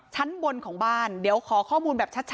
ชั้นบนของบ้านเดี๋ยวขอข้อมูลแบบชัด